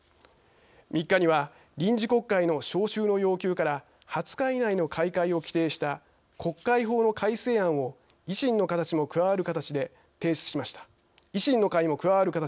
３日には臨時国会の召集の要求から２０日以内の開会を規定した国会法の改正案を維新の会も加わる形で提出しました。